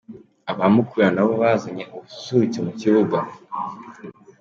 Aba Mukura na bo bazanye ubususuruke ku kibuga .